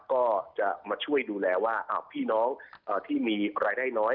ก็จะมาช่วยดูแลว่าพี่น้องที่มีรายได้น้อย